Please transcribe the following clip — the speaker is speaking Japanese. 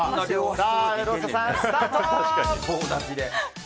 さあ、ローサさんスタート。